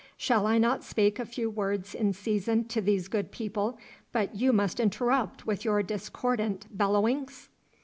Shall I not speak a few words in season to these good people but you must interrupt with your discordant bellowings?